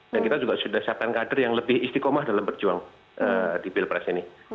dan kita juga sudah siapkan kader yang lebih istikomah dalam berjuang di pilpres ini